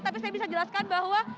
tapi saya bisa jelaskan bahwa